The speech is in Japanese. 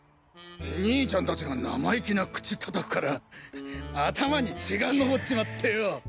兄ちゃん達が生意気な口叩くから頭に血がのぼっちまってよォ！